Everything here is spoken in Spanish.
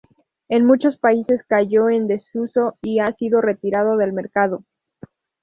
En muchos países cayó en desuso y ha sido retirado del mercado.